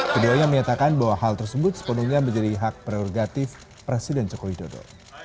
keduanya menyatakan bahwa hal tersebut sepenuhnya menjadi hak prioritatif presiden cokowidodo